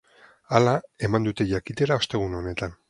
Hala eman dute jakitera ostegun honetan.